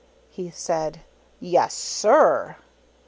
He said, "Yes, SIR."